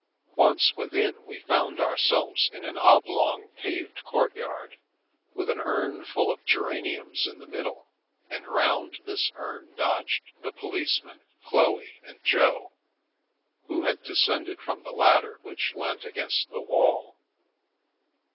t Once within, we found ourselves in an oblong, paved courtyard, with an urn full of geraniums in the middle, and round this urn dodged the policeman, Chloe, and Jo, who had descended from the ladder which leant against the wall.